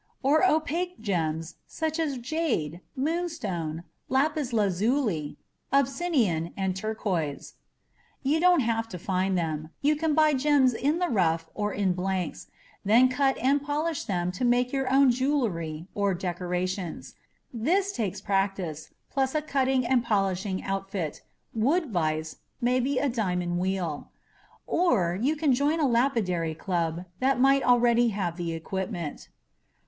Or opaque gems such as jade, moonstone, lapis lazuli, obsidian, and turquoise. You don't have to find them. You can buy gems in the rough or in blanks, then cut and polish them to make your own jewelry or decorations. This takes practice, plus a cutting and polishing outfit, wood vise, maybe a diamond wheel. (Or you can join a lapidary club that might already have the equipment).